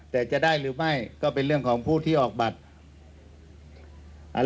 แต่จะได้หรือไม่ก็เป็นเรื่องของผู้ที่ออกบัตร